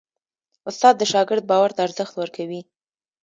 استاد د شاګرد باور ته ارزښت ورکوي.